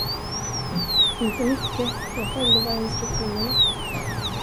Inte mycket, jag följde bara instruktionerna.